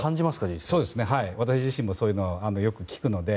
私自身もそういうのをよく聞くので。